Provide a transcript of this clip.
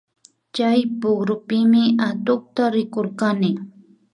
Chay pukrupimi atukta rikurkani